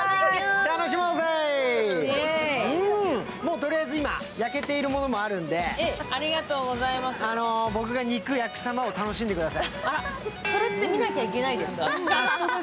とりあえず焼けているものもあるので、僕が肉を焼く楽しんでください。